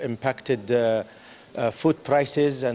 kita mempengaruhi harga makanan